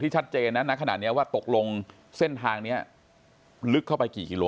ที่ชัดเจนนะขณะนี้ว่าตกลงเส้นทางเนี่ยลึกเข้าไปกี่กิโล